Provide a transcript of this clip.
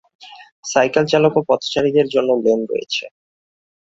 Cycle চালক ও পথচারীদের জন্য লেন রয়েছে।